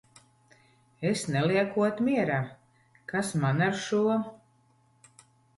Es neliekot mierā? Kas man ar šo!